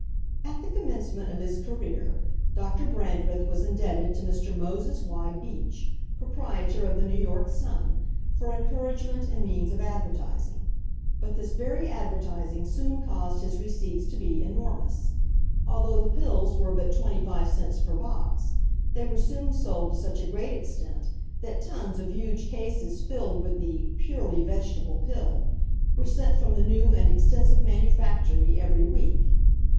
At the commencement of his career, Dr. Brandreth was indebted to Mr. Moses Y. Beach, proprietor of the New York Sun, for encouragement and means of advertising. But this very advertising soon caused his receipts to be enormous. Although the pills were but twenty five cents per box, they were soon sold to such a great extent, that tons of huge cases filled with the "purely vegetable pill" were sent from the new and extensive manufactory every week.